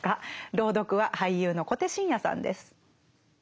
朗読は俳優の小手伸也さんです。